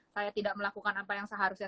saya tidak melakukan apa yang seharusnya